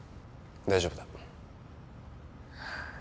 大丈夫だ。